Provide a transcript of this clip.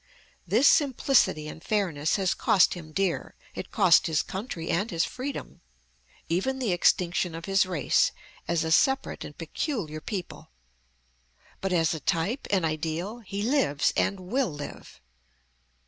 This simplicity and fairness has cost him dear; it cost his country and his freedom, even the extinction of his race as a separate and peculiar people; but as a type, an ideal, he lives and will live!